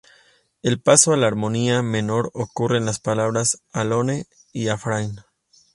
El paso a la armonía menor ocurre en las palabras "alone" y "afraid".